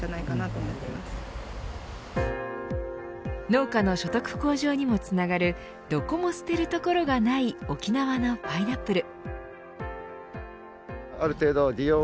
農家の所得向上にもつながるどこも捨てるところがない沖縄のパイナップル。